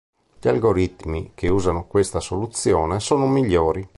Gli algoritmi che usano questa soluzione sono migliori.